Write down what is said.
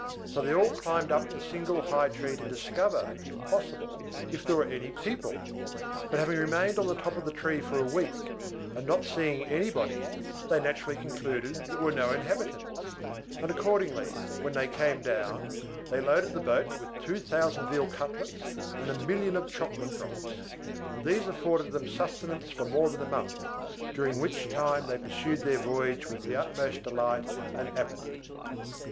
So they all climbed up the single high tree to discover, if possible, if there were any people; but having remained on the top of the tree for a week, and not seeing anybody, they naturally concluded that there were no inhabitants; and accordingly, when they came down, they loaded the boat with two thousand veal cutlets and a million of chocolate drops; and these afforded them sustenance for more than a month, during which time they pursued their voyage with the utmost delight and apathy.